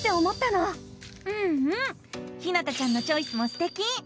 うんうんひなたちゃんのチョイスもすてき！